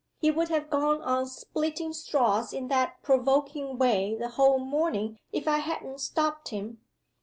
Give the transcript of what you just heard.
He would have gone on splitting straws in that provoking way the whole morning if I hadn't stopped him.